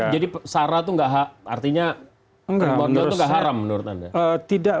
jadi sara itu nggak haram menurut anda